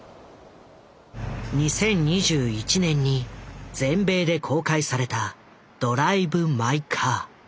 ２０２１年に全米で公開された「ドライブ・マイ・カー」。